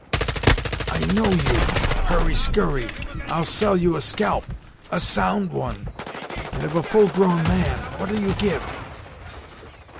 "I know you Hurry Skurry I'll sell you a scalp! a sound one, and of a full grown man What'll you give?"